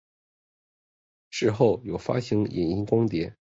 事后有发行影音光碟。